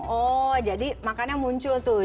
oh jadi makannya muncul tuh